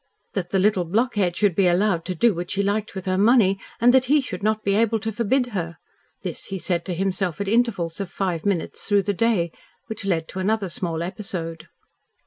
That the little blockhead should be allowed to do what she liked with her money and that he should not be able to forbid her! This he said to himself at intervals of five minutes through the day which led to another small episode.